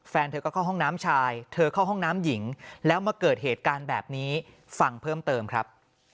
แฟนเธอก็เข้าห้องน้ำชายเธอเข้าห้องน้ำหญิงแล้วมาเกิดเหตุการณ์แบบนี้ฟังเพิ่มเติมครับ